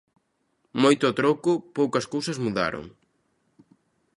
Moito troco, poucas cousas mudaron.